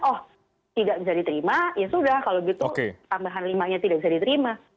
oh tidak bisa diterima ya sudah kalau gitu tambahan lima nya tidak bisa diterima